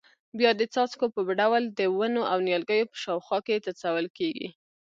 بیا د څاڅکو په ډول د ونو او نیالګیو په شاوخوا کې څڅول کېږي.